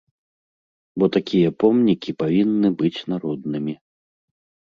Бо такія помнікі павінны быць народнымі.